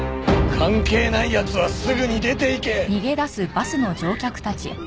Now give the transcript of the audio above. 関係ない奴はすぐに出ていけ！